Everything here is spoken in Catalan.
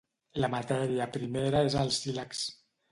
La matèria primera és el sílex.